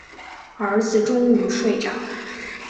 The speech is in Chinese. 儿子终于睡着